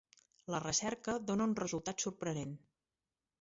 La recerca dóna un resultat sorprenent.